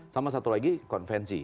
sama satu lagi konvensi